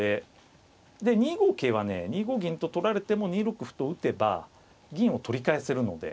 で２五桂はね２五銀と取られても２六歩と打てば銀を取り返せるので。